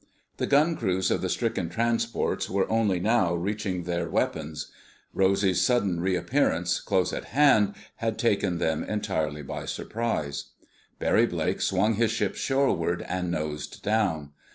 The gun crews of the stricken transports were only now reaching their weapons. Rosy's sudden re appearance, close at hand, had taken them entirely by surprise. Barry Blake swung his ship shoreward and nosed down.